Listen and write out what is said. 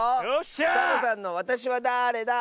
サボさんの「わたしはだーれだ？」。